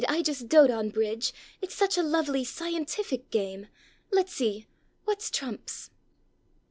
I just dote on bridge ŌĆö it's such a lovely, scientific game 1 Let's see ŌĆö whatŌĆÖs trumps?